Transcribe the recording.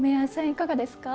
いかがですか？